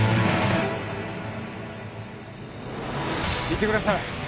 行ってください。